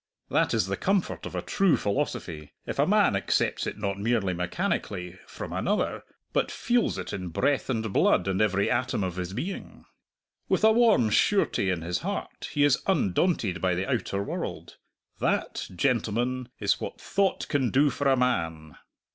That is the comfort of a true philosophy if a man accepts it not merely mechanically, from another, but feels it in breath and blood and every atom of his being. With a warm surety in his heart, he is undaunted by the outer world. That, gentlemen, is what thought can do for a man."